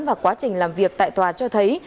và quá trình làm việc tại tòa cho thấy